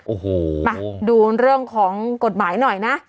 โอ้โหมาดูเรื่องของกฎหมายหน่อยนะ